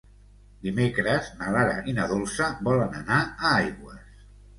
Dimecres na Lara i na Dolça volen anar a Aigües.